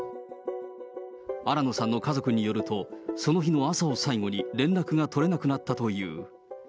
新野さんの家族によると、その日の朝を最後に連絡が取れなくなったという。